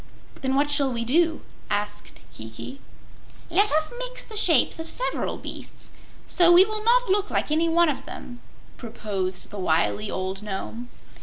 "Then what shall we do?" asked Kiki. "Let us mix the shapes of several beasts, so we will not look like any one of them," proposed the wily old Nome.